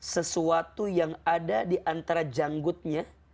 sesuatu yang ada di antara janggutnya